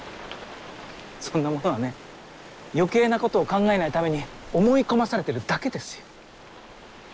そんなものはね余計なことを考えないために思い込まされてるだけですよ。